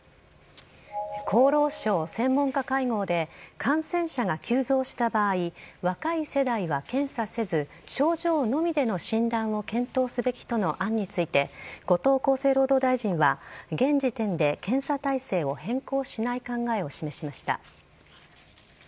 厚労省専門家会合で感染者が急増した場合若い世代は検査せず症状のみでの診断を検討すべきとの案について後藤厚生労働大臣は現時点で検査体制を変更しない考えを示しました。